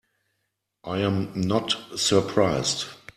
I am not surprised.